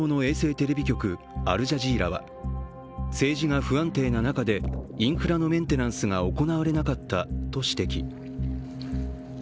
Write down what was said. テレビ局アルジャジーラは政治が不安定な中でインフラのメンテナンスが行われなかったと指摘。